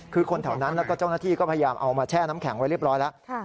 คือคนแถวนั้นแล้วก็เจ้าหน้าที่ก็พยายามเอามาแช่น้ำแข็งไว้เรียบร้อยแล้ว